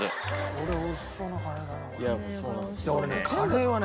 これ美味しそうなカレーだな。